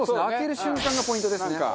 開ける瞬間がポイントですね。